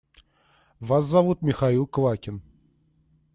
Вас зовут Михаил Квакин.